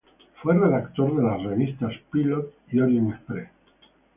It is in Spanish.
Fue redactor de las revistas "Pilot" y "Orient Express".